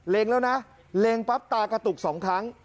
แล้วนะเล็งปั๊บตากระตุกสองครั้ง